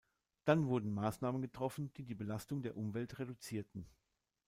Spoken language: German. Dann wurden Maßnahmen getroffen, die die Belastung der Umwelt reduzierten.